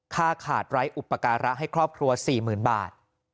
ค่าขาดไร้อุปการะให้ครอบครัว๔๐๐๐บาท